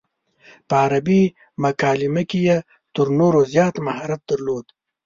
په عربي مکالمه کې یې تر نورو زیات مهارت درلود.